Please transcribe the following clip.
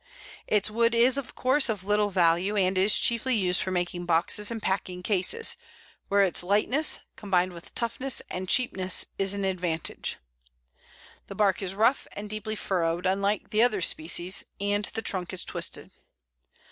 Its wood is, of course, of little value, and is chiefly used for making boxes and packing cases, where its lightness, combined with toughness and cheapness, is an advantage. The bark is rough and deeply furrowed, unlike the other species, and the trunk is twisted.